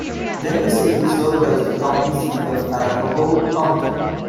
Denver City served as the county seat of Arapahoe County.